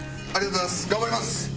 ありがとうございます！